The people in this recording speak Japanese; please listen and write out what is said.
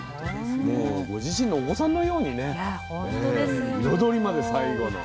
もうご自身のお子さんのようにね彩りまで最後の。